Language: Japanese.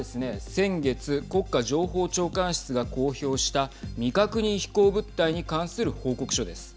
先月、国家情報長官室が公表した未確認飛行物体に関する報告書です。